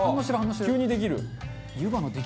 急にできる。